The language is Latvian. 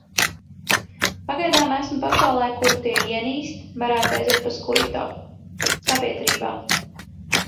Pagaidām esmu pasaulē, kuru tie ienīst, varētu aiziet pa skuju taku. Sabiedrībā.